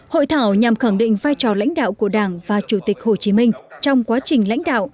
hội thảo nhằm khẳng định vai trò lãnh đạo của đảng và chủ tịch hồ chí minh trong quá trình lãnh đạo